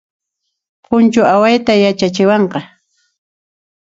Punchu awayta yachachiwanqa